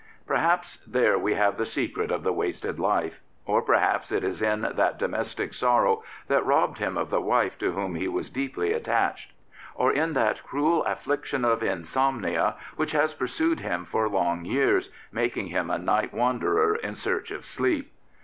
Perhaps there we have the secret of the wasted life. Or perhaps it is in that domestic sorrow that robbed him of the wife to whom he was deeply attached. Or in that cruel affliction of insomnia which has pursued him for long years, making him a night wanderer in search of sleep.